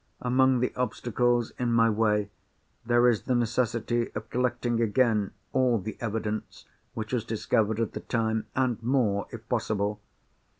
Among the obstacles in my way, there is the necessity of collecting again all the evidence which was discovered at the time, and more if possible.